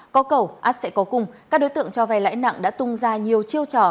có cầu át sẽ có cung các đối tượng cho vay lãi nặng đã tung ra nhiều chiêu trò